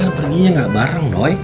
jangan perginya gak bareng doy